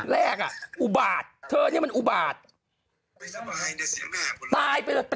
แรกอ่ะอุบาดเธอนี่มันอุบาดไม่สบายเดี๋ยวเสียแม่ตายไป